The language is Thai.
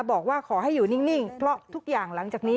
บอกว่าขอให้อยู่นิ่งเพราะทุกอย่างหลังจากนี้